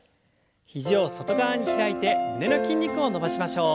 肘を外側に開いて胸の筋肉を伸ばしましょう。